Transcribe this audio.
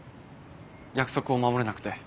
約束を守れなくて。